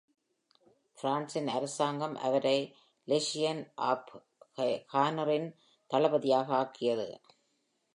பிரான்சின் அரசாங்கம் அவரை லெஜியன் ஆப் ஹானரின் தளபதியாக ஆக்கியது.